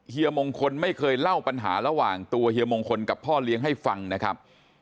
เฮียมงคลไม่เคยเล่าปัญหาระหว่างตัวเฮียมงคลกับพ่อเลี้ยงให้ฟังนะครับ